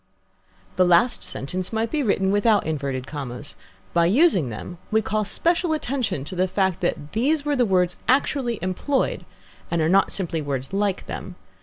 The last sentence might be written without inverted commas. By using them we call special attention to the fact that these were the words actually employed, and are not simply words like them.